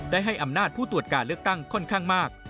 ให้อำนาจผู้ตรวจการเลือกตั้งค่อนข้างมาก